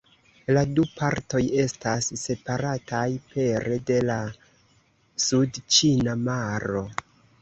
La du partoj estas separataj pere de la Sudĉina Maro.